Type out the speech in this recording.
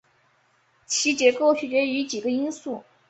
其结构取决于几个因素。